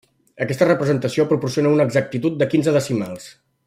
Aquesta representació proporciona una exactitud de quinze decimals.